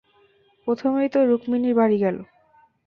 প্রথমেই তো সে রুক্মিণীর বাড়ি গেল।